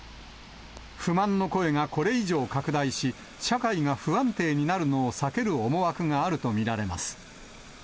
不満の声がこれ以上拡大し、社会が不安定になるのを避ける思惑があると見られます。